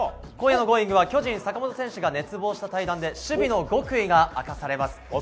今夜の「Ｇｏｉｎｇ！」は巨人の坂本さんが熱望した対談で守備の極意が明かされます。